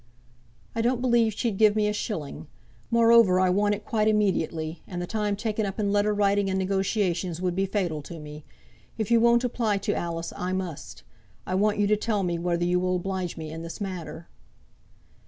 "I don't believe she'd give me a shilling. Moreover, I want it quite immediately, and the time taken up in letter writing and negotiations would be fatal to me. If you won't apply to Alice, I must. I want you to tell me whether you will oblige me in this matter."